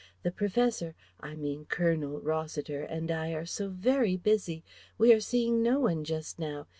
The Professor I mean, Colonel Rossiter and I are so very busy ... we are seeing no one just now.